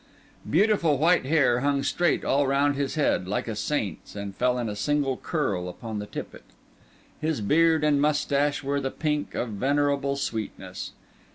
Beautiful white hair hung straight all round his head, like a saint's, and fell in a single curl upon the tippet. His beard and moustache were the pink of venerable sweetness.